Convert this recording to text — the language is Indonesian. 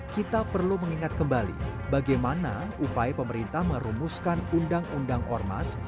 kita perlu mengingat kembali bagaimana upaya pemerintah merumuskan undang undang ormas